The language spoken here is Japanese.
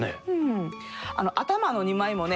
頭の２枚もね